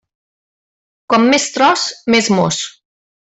Com més tros, més mos.